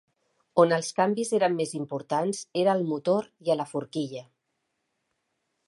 On els canvis eren més importants era al motor i a la forquilla.